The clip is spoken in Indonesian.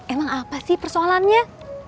emang apa sih persoalannya